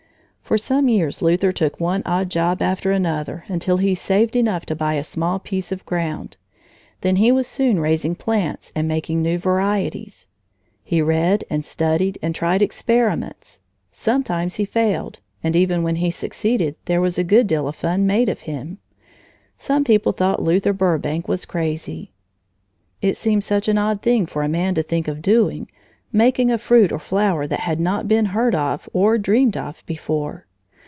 For some years Luther took one odd job after another until he saved enough to buy a small piece of ground. Then he was soon raising plants and making new varieties. He read and studied and tried experiments. Sometimes he failed, and even when he succeeded there was a good deal of fun made of him. Some people thought Luther Burbank was crazy. It seemed such an odd thing for a man to think of doing making a fruit or a flower that had not been heard of or dreamed of before!